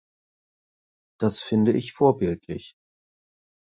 Das finde ich vorbildlich.